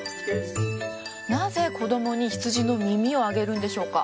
なぜ子供に羊の耳をあげるんでしょうか？